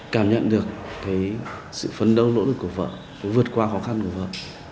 cảm nhận được cái sự phấn đấu nỗ lực của vợ và vượt qua khó khăn của vợ